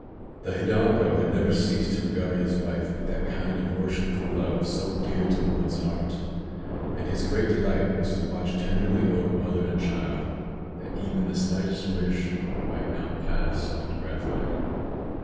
The hidalgo had never ceased to regard his wife with that kind of worshipful love so dear to woman's heart; and his great delight was to watch tenderly over mother and child, that even the slightest wish might not pass ungratified.